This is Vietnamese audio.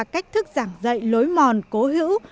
cách thức giảng dạy lối mòn cố hữu